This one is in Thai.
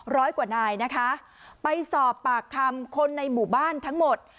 ร้อยกว่านายนะคะไปสอบปากคำคนในหมู่บ้านทั้งหมด